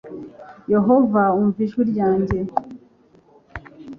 Yehova umva ijwi ryanjye